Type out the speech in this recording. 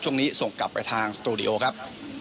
ช่วงนี้ส่งกลับไปทางสตูดิโอครับ